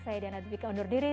saya diana dwi keondur diri